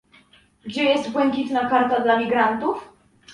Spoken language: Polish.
Gdzie jest błękitna karta dla migrantów?